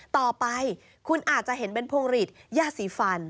ต่อไปคุณอาจจะเห็นเป็นพวงหลีดย่าสีฟัน